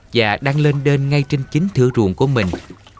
và đang lên đên ngay trên chính thử ruộng của mình